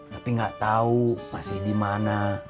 tapi gak tau masih dimana